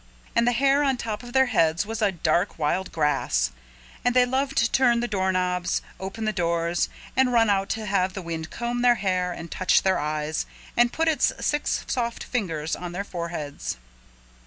And the hair on top of their heads was a dark wild grass. And they loved to turn the doorknobs, open the doors, and run out to have the wind comb their hair and touch their eyes and put its six soft fingers on their foreheads.